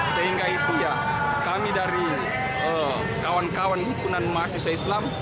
sehingga itu ya kami dari kawan kawan himpunan mahasiswa islam